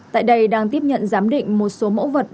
tại đây đang tiếp nhận giám định một số mẫu vật